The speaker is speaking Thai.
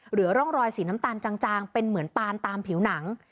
เหลือร่องรอยสีน้ำตาลจางเป็นเหมือนปานตามผิวหนัง